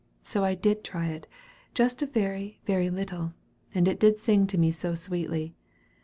So I did try it, just a very, very little, and it did sing to me so sweetly.